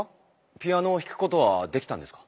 ピアノを弾くことはできたんですか？